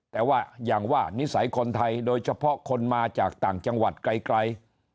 แต่ว่าอย่างว่านิสัยคนไทยโดยเฉพาะคนมาจากต่างจังหวัดไกล